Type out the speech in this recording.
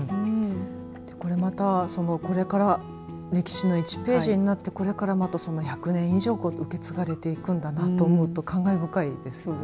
これ、また、これから歴史の１ページになってこれからまた１００年以上受け継がれていくんだなと思うと感慨深いですよね。